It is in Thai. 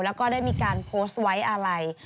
แล้วก็ได้มีการโพสต์ไว้อะไร